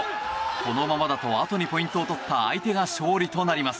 このままだと青にポイントを取った相手が勝利となります。